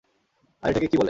আর এটাকে কী বলে?